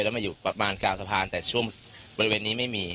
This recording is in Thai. แล้วมาอยู่ประมาณกลางสะพานแต่ช่วงบริเวณนี้ไม่มี